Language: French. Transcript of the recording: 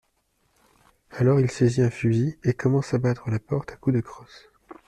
Alors il saisit un fusil et commence à battre la porte à coups de crosse.